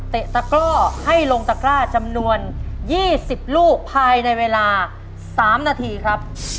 ตะกร่อให้ลงตะกร้าจำนวน๒๐ลูกภายในเวลา๓นาทีครับ